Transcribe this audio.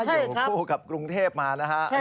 อยู่คู่กับกรุงเทพมานะฮะ